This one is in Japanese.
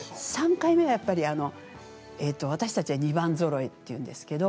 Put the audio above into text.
３回目は、やっぱり私たちは２番ぞろえって言うんですけど。